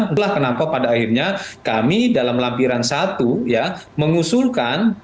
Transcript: itulah kenapa pada akhirnya kami dalam lampiran satu ya mengusulkan